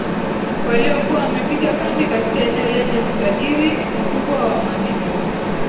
waliokuwa wamepiga kambi katika eneo lenye utajiri mkubwa wa madini